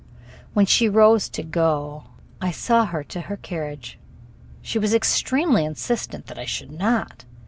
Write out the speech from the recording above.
When she rose to go, I saw her to her carriage. She was extremely insistent that I should not.